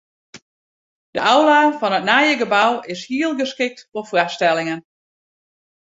De aula fan it nije gebou is hiel geskikt foar foarstellingen.